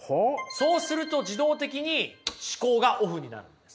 そうすると自動的に思考がオフになるんです。